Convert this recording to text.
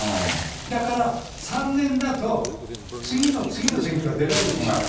だから、３年だと次の次の選挙は出られるでしょ。